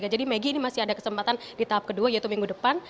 jadi maggie ini masih ada kesempatan di tahap kedua yaitu minggu depan